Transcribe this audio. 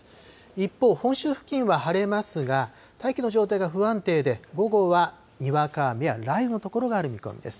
一方、本州付近は晴れますが、大気の状態が不安定で、午後はにわか雨や雷雨の所がある見込みです。